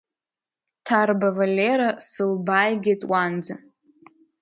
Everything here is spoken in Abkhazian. ҬарбаВалера сылбааигеит уанӡа.